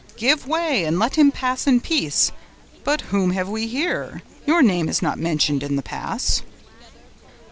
Give way, and let him pass in peace. But whom have we here? Your name is not mentioned in the pass!"